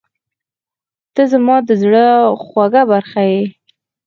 • ته زما د زړه خوږه برخه یې.